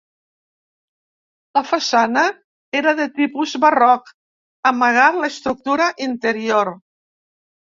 La façana era de tipus barroc, amagant l'estructura interior.